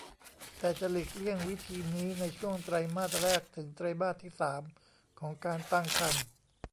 แต่จะหลีกเลี่ยงวิธีนี้ในช่วงไตรมาสแรกถึงไตรมาสที่สามของการตั้งครรภ์